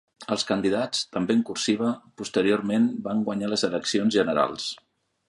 Els candidats, també en cursiva, posteriorment van guanyar les eleccions generals.